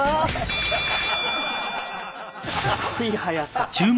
すごい早さ。